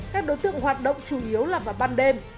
các đối tượng hoạt động chủ yếu là vào ban đêm